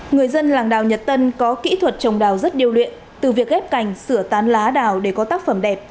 người dân làng đào nhật tân có kỹ thuật trồng đào rất điêu luyện từ việc ghép cành sửa tán lá đào để có tác phẩm đẹp